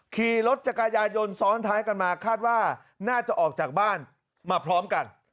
ขี่รถจักรยายนซ้อนท้ายกันมาคาดว่าน่าจะออกจากบ้านมาพร้อมกัน